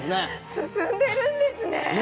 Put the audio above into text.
進んでるんですね。